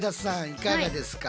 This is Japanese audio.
いかがですか？